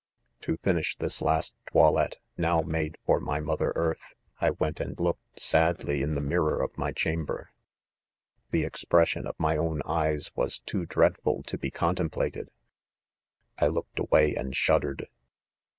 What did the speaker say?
i To finish this last toilette^ now made for ay mother earthy I weal and looked sadly m THE CONFESSIONS. '147 the mirror of my chamber.' ■ The expression of my. owe "eyes was too dreadful to be con templated ; I turned away and shuddered.